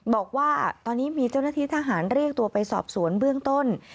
บอกว่าตอนนี้มีเจ้าหน้าที่ทหารเรียกตัวไปสอบสวนเบื้องต้น